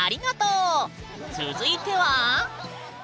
続いては？